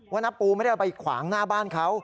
ว่านับปูไม่ได้ไปขวางหน้าบ้านเขา